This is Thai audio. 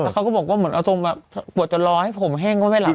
เขาก็บอกว่าแบบกว่าจะรอให้ผมแห้งไม่นานที่ดี